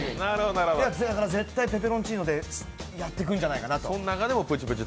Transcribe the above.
だから、絶対ペペロンチーノでやってくるんじゃないかなと。